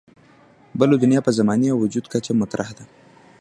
بله دنیا په زماني او وجودي کچه مطرح ده.